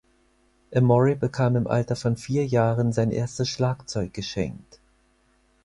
Emory bekam im Alter von vier Jahren sein erstes Schlagzeug geschenkt.